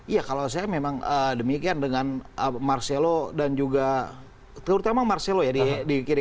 ya kalau saya memang demikian dengan marcelo dan juga terutama marcelo ya di kiri